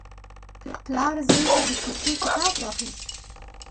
پلار خپل زوی ته د کیسې کتاب واخیست.